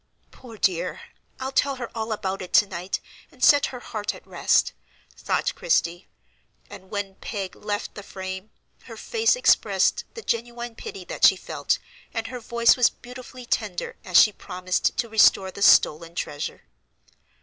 Poor dear! I'll tell her all about it to night, and set her heart at rest," thought Christie; and when Peg left the frame, her face expressed the genuine pity that she felt, and her voice was beautifully tender as she promised to restore the stolen treasure.